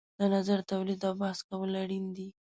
د نظر تولید او بحث کول اړین دي.